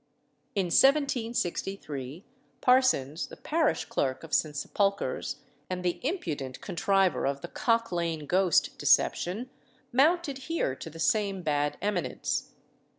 In 1763 Parsons, the parish clerk of St. Sepulchre's, and the impudent contriver of the "Cock Lane ghost" deception, mounted here to the same bad eminence.